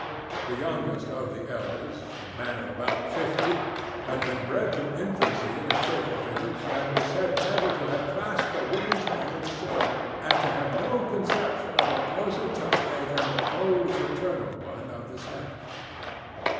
The youngest of the elders, a man of about fifty, had been bred from infancy in a Shaker village, and was said never to have clasped a woman's hand in his own, and to have no conception of a closer tie than the cold fraternal one of the sect.